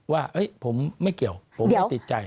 ว่าผมไม่เกี่ยวผมไม่ติดใจ